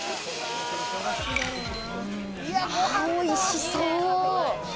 あぁ、おいしそう。